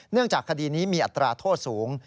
เนื่องจากคดีนี้มีอัตราโทษสูง